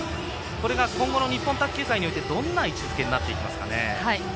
これが今後の日本卓球界にとってどんな位置づけになっていきますか。